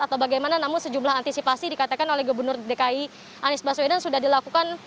atau bagaimana namun sejumlah antisipasi dikatakan oleh gubernur dki anies baswedan sudah dilakukan